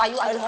aduh aduh aduh